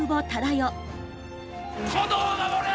殿を守れ！